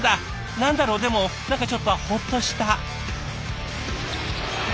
何だろうでも何かちょっとホッとした。